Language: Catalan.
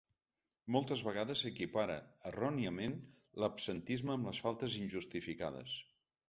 Moltes vegades s’equipara erròniament l’absentisme amb les faltes injustificades.